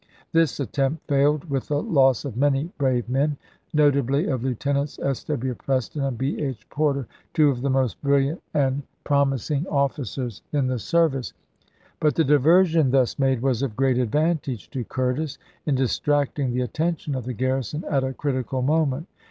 This attempt failed, with the loss of many brave men ; notably of Lieutenants S. W. Preston and B. H. Porter, two of the most brilliant and FORT FISHER AND WILMINGTON 67 promising officers in the service; but the diver chap. in. sion thus made was of great advantage to Curtis in distracting the attention of the garrison at a critical moment.